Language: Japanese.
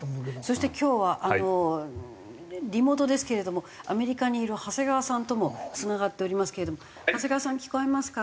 そして今日はリモートですけれどもアメリカにいる長谷川さんともつながっておりますけれども長谷川さん聞こえますか？